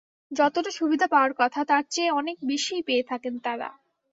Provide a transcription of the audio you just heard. যতটা সুবিধা পাওয়ার কথা, তার চেয়ে অনেক বেশিই পেয়ে থাকেন তাঁরা।